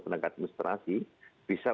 tenaga administrasi bisa